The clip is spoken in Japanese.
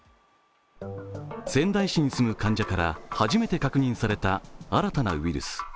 仙台市に住む患者から初めて確認された新たなウイルス。